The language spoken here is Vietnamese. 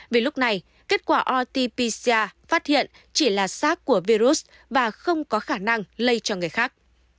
vì lúc này kết quả rt pcr phát hiện chỉ là sars của virus và không có khả năng lây cho người khác